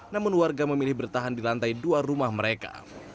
namun warga memilih bertahan di lantai dua rumah mereka